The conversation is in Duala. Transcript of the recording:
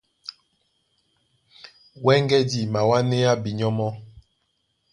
Wɛ́ŋgɛ̄ di mawánéá binyɔ́ mɔ́.